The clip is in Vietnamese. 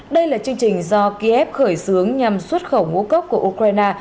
đây là chương trình do kiev khởi xướng nhằm xuất khẩu ngũ cốc của ukraine